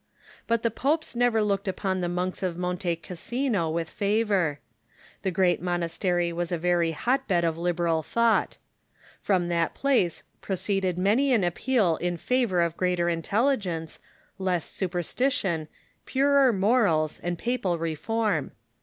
But the popes never looked upon the monks of Monte Cassino with favor. The great monastery CHRISTIAN ART 163 was a very hotbed of liberal thouglit. From that place pro ceeded many an appeal in favor of greater intelligence, less superstition, purer morals, and papal reform.